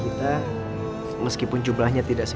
kita harus selalu bersedekah